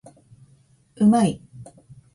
うまい